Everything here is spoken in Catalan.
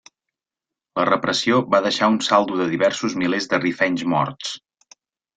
La repressió va deixar un saldo de diversos milers de rifenys morts.